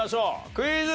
クイズ。